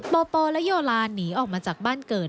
ปปและโยลานหนีออกมาจากบ้านเกิด